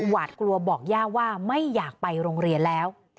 หวาดกลัวบอกย่าว่าไม่อยากไปโรงเรียนแล้ว